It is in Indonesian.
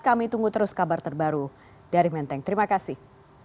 kami tunggu terus kabar terbaru dari menteng terima kasih